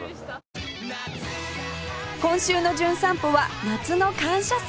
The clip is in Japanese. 今週の『じゅん散歩』は夏の感謝祭